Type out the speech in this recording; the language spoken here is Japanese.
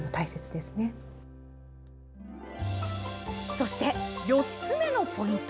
そして、４つ目のポイント。